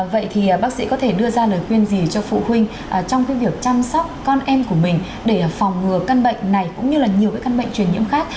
vậy thì bác sĩ có thể đưa ra lời khuyên gì cho phụ huynh trong cái việc chăm sóc con em của mình để phòng ngừa căn bệnh này cũng như là nhiều cái căn bệnh truyền nhiễm khác